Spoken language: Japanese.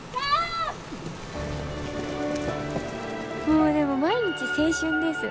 もうでも毎日青春です。